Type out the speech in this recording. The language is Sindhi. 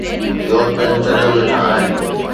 يورپين چريو ويٺا آهن.